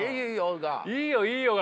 「いいよいいよ」が。